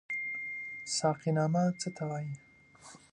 ساقينامه څه ته وايي؟